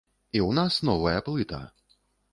І ў нас новая плыта!